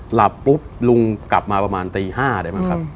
หลับปุ๊บลุงกลับมาประมาณตี๕ได้มั้งครับ